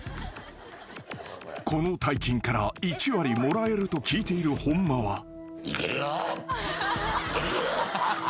［この大金から１割もらえると聞いている本間は］